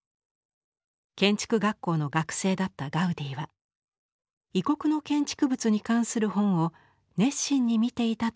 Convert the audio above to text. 建築学校の学生だったガウディは異国の建築物に関する本を熱心に見ていたといいます。